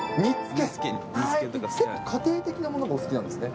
結構、家庭的なものがお好きなんですね。